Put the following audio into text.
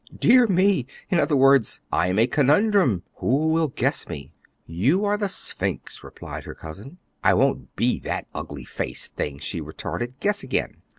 "Dear me! In other words, I am a conundrum. Who will guess me?" "You are the Sphinx," replied her cousin. "I won't be that ugly faced thing," she retorted; "guess again."